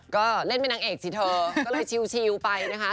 ก็เล่นเป็นนางเอกสิเธอก็เลยชิลไปนะคะ